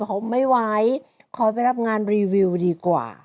เขาไม่ไหวขอไปรับงานรีวิวดีกว่า